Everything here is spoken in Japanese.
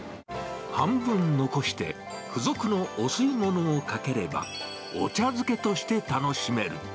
半分残して、付属のお吸い物をかければ、お茶漬けとして楽しめる。